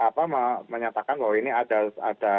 jaksaan agung sudah menyatakan bahwa ini ada